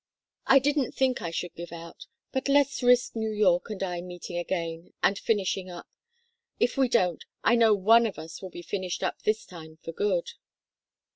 I didn't think I should give out, but let's risk New York and I meeting again, and finishing up. If we don't, I know one of us will be finished up this time for good."